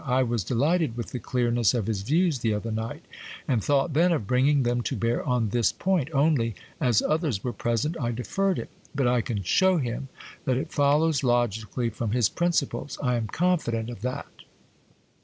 I was delighted with the clearness of his views the other night, and thought then of bringing them to bear on this point,—only, as others were present, I deferred it. But I can show him that it follows logically from his principles; I am confident of that.